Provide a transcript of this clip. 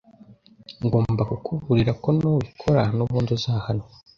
Ngomba kukuburira ko nubikora nubundi uzahanwa